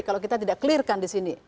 kalau kita tidak clear kan di sini